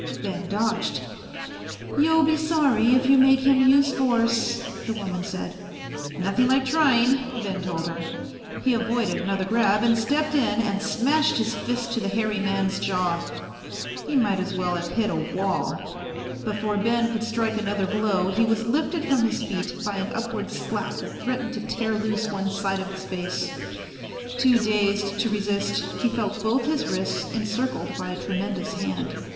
Ben dodged. "You'll be sorry if you make him use force," the woman said. "Nothing like trying," Ben told her. He avoided another grab and stepped in and smashed his fist to the hairy man's jaw. [Illustration: The ape like figure rushed forward and Ben's head was thrown back by a mighty blow ...] He might as well have hit a wall. Before Ben could strike another blow he was lifted from his feet by an upward slap that threatened to tear loose one side of his face. Too dazed to resist, he felt both his wrists encircled by a tremendous hand.